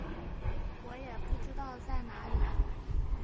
我也不知道在哪里